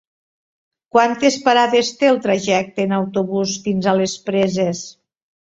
Quantes parades té el trajecte en autobús fins a les Preses?